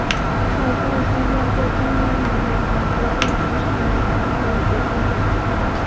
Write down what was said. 小时候参加过中央人民广播电台少年广播合唱团。